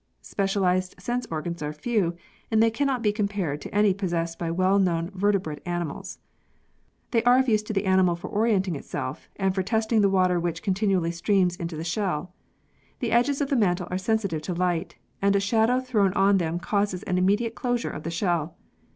Specialised sense organs are few, and they cannot be compared to any possessed by well known vertebrate animals. They are of use to the animal for orientating itself and for testing the water which continually streams into the shell. The edges of the mantle are sensitive to light, and a shadow thrown on to them causes an immediate closure of the shell.